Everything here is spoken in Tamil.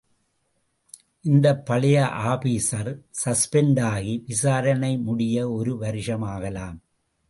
இந்த பழைய ஆபீஸர் சஸ்பெண்ட் ஆகி, விசாரணை முடிய ஒரு வருஷம் ஆகலாம்.